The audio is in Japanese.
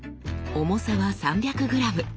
重さは３００ｇ。